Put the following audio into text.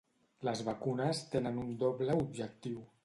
Les vacunes tenen un doble objectiu.